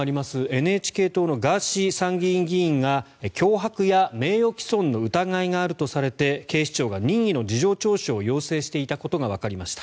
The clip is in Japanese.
ＮＨＫ党のガーシー参議院議員が脅迫や名誉毀損の疑いがあるとされて警視庁が任意の事情聴取を要請していたことがわかりました。